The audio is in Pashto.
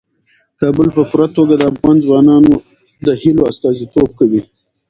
کابل په پوره توګه د افغان ځوانانو د هیلو استازیتوب کوي.